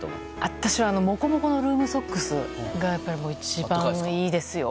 私はもこもこのルームソックスが一番いいですよ。